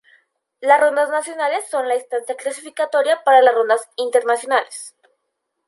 Las rondas nacionales son la instancia clasificatoria para las rondas internacionales.